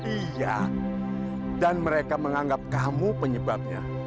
iya dan mereka menganggap kamu penyebabnya